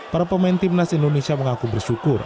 para pemain timnas indonesia mengaku bersyukur